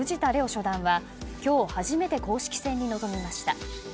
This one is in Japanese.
初段は今日初めて公式戦に臨みました。